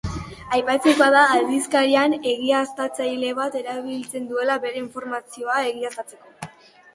Aipatzekoa da aldizkariak egiaztatzaile bat erabiltzen duela bere informazioa egiaztatzeko.